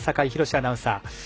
アナウンサー。